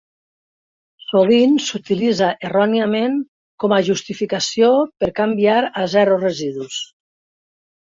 Sovint s'utilitza erròniament com a justificació per canviar a Zero Residus.